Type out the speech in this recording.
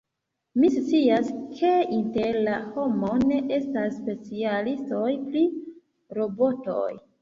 Mi scias, ke inter la homoj estas specialistoj pri robotoj.